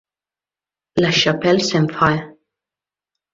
La Chapelle-Saint-Fray